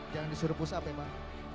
jangan disuruh pusap ya pak